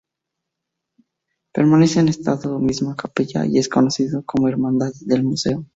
Permanece en esta misma capilla, y es conocida como Hermandad del Museo.